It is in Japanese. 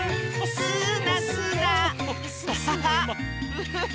ウフフ！